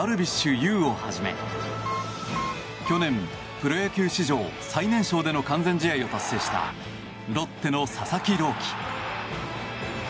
有をはじめ去年、プロ野球史上最年少での完全試合を達成したロッテの佐々木朗希。